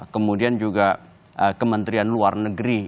kemudian juga kementerian luar negeri